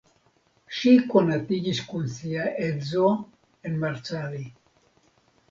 Ŝi konatiĝis kun sia edzo en Marcali.